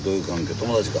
友達か。